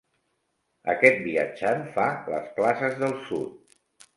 Aquest viatjant fa les places del sud.